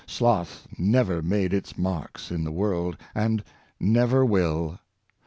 Sloth never made its mark in the world, and never will.